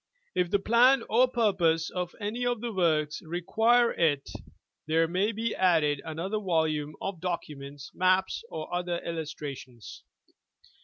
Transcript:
If the plan or purpose of any of the works require il, there may be added another volume of documents, maps, or other illustrations.